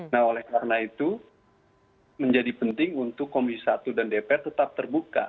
nah oleh karena itu menjadi penting untuk komisi satu dan dpr tetap terbuka